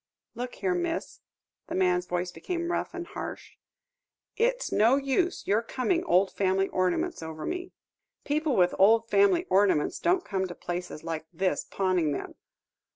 "Look here, miss" the man's voice became rough and harsh "it's no use your coming old family ornaments over me. People with old family ornaments don't come to places like this pawning them.